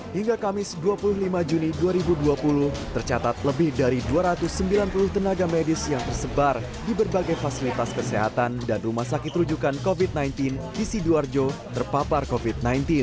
hingga kamis dua puluh lima juni dua ribu dua puluh tercatat lebih dari dua ratus sembilan puluh tenaga medis yang tersebar di berbagai fasilitas kesehatan dan rumah sakit rujukan covid sembilan belas di sidoarjo terpapar covid sembilan belas